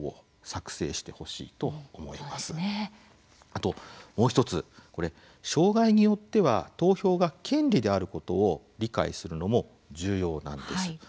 あともう一つこれ障害によっては投票が権利であることを理解するのも重要なんです。